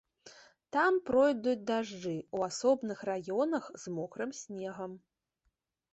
Там пройдуць дажджы, у асобным раёнах з мокрым снегам.